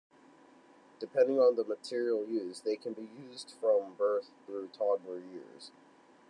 Depending on the material used, they can be used from birth through toddler years.